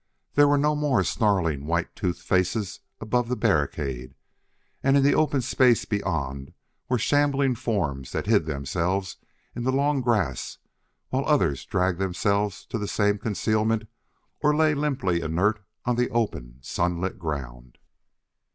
There were no more snarling, white toothed faces above the barricade, and in the open space beyond were shambling forms that hid themselves in the long grass while others dragged themselves to the same concealment or lay limply inert on the open, sunlit ground.